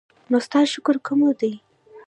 نو ستا شکر کومه دی؟